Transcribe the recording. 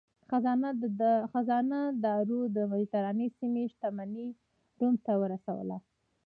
خزانه دارو د مدترانې سیمې شتمني روم ته ورسوله.